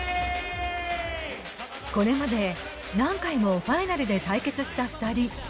これまで何回もファイナルで対決した２人。